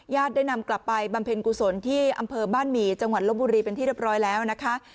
ได้นำกลับไปบำเพ็ญกุศลที่อำเภอบ้านหมี่จังหวัดลบบุรีเป็นที่เรียบร้อยแล้วนะคะ